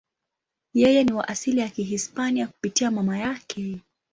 Yeye ni wa asili ya Kihispania kupitia mama yake.